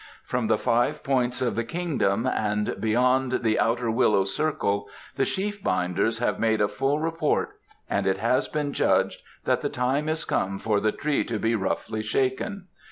From the Five Points of the kingdom and beyond the Outer Willow Circle the Sheaf binders have made a full report and it has been judged that the time is come for the tree to be roughly shaken.